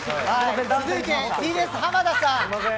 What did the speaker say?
続いてＴＢＳ、浜田さん。